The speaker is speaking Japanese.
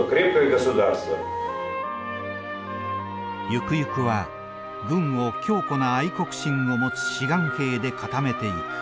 ゆくゆくは軍を強固な愛国心を持つ志願兵で固めていく。